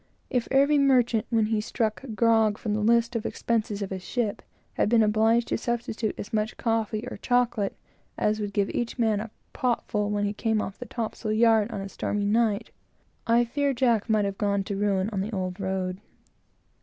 If every merchant, when he struck grog from the list of the expenses of his ship, had been obliged to substitute as much coffee, or chocolate, as would give each man a pot full when he came off the topsail yard, on a stormy night; I fear Jack might have gone to ruin on the old road.